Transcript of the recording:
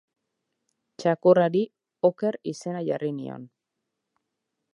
Txakurrari Oker izena jarri nion.